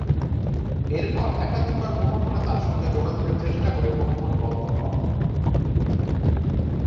এরপর একাধিকবার মুঠোফোনে তার সঙ্গে যোগাযোগের চেষ্টা করে মুঠোফোন বন্ধ পাওয়া যায়।